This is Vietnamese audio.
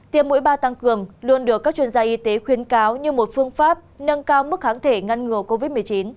tiêm mũi ba tăng cường luôn được các chuyên gia y tế khuyến cáo như một phương pháp nâng cao mức kháng thể ngăn ngừa covid một mươi chín